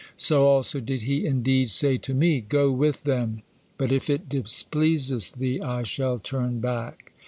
So also did He indeed say to me, 'Go with them;' but if it displeaseth thee, I shall turn back."